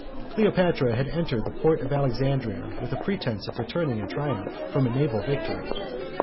Cleopatra had entered the port of Alexandria with a pretence of returning in triumph from a naval victory.